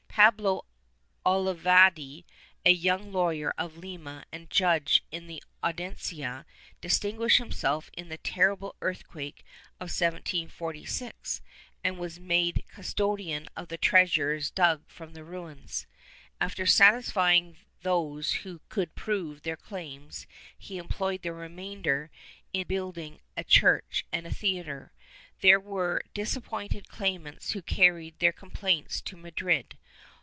Pablo Olavide, a young lawyer of Lima and judge in the Audiencia, distinguished himself in the terrible earthquake of 1746 and was made custodian of the treasures dug from the ruins. After satisfying those who could prove their claims, he employed the remainder in building a church and a theatre. There were disappointed claimants who carried their complaints to Madrid.